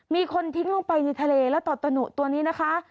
มีคนทิ้งลงไปในทะเลแล้วต่อตะหนุตัวนี้นะคะ